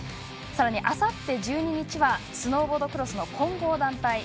さらに、あさって１２日はスノーボードクロスの混合団体。